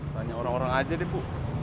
tanya orang orang aja deh bu